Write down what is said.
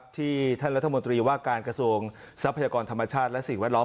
ที่ท่านรัฐมนตรีว่าการกระทรวงทรัพยากรธรรมชาติและสิ่งแวดล้อม